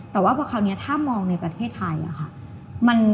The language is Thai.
แต่ว่าพอคราวนี้ถ้ามองในประเทศไทยค่ะ